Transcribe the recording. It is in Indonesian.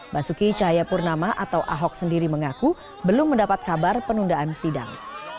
basuki cahayapurnama atau ahok sendiri mengaku belum mendapat kabar penundaan sidang